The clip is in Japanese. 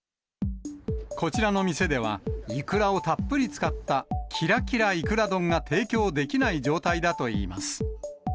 こちらの店では、いくらをたっぷり使った、キラキラいくら丼が提供できない状態だといいます。